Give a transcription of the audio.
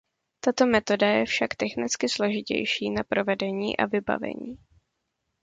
Tato metoda je však technicky složitější na provedení a vybavení.